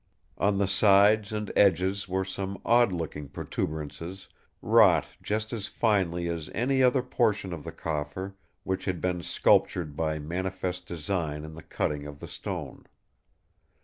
On the sides and edges were some odd looking protuberances wrought just as finely as any other portion of the coffer which had been sculptured by manifest design in the cutting of the stone.